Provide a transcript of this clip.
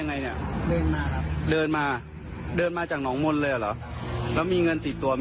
เนี่ยค่ะไม่มีเงินเด็ดตัว